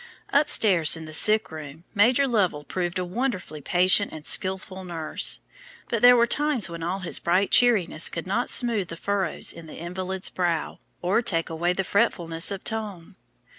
Upstairs in the sick room Major Lovell proved a wonderfully patient and skillful nurse; but there were times when all his bright cheeriness could not smooth the furrows in the invalid's brow, or take away the fretfulness of tone.